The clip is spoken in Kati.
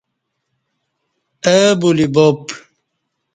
اہ بولی باب